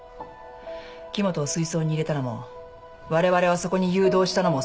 木元を水槽に入れたのもわれわれをあそこに誘導したのもそう。